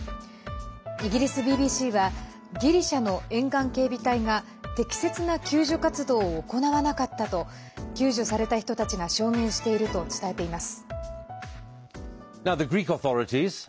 イギリスＢＢＣはギリシャの沿岸警備隊が適切な救助活動を行わなかったと救助された人たちが証言していると伝えています。